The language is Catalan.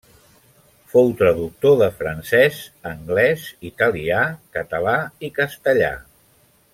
Fou traductor de francès, anglès, italià, català i castellà.